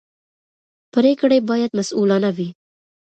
پرېکړې باید مسوولانه وي